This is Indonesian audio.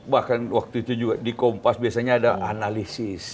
bahkan waktu itu juga di kompas biasanya ada analisis